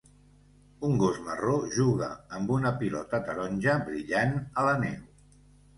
Un gos marró juga amb una pilota taronja brillant a la neu.